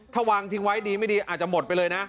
ถ้าวางทิ้งไว้ดีไม่ดีอาจจะหมดไปเลยนะ